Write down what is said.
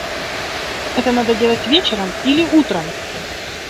Это надо делать вечером или утром!